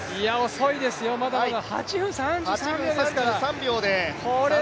遅いですよ、まだまだ８分３３秒で。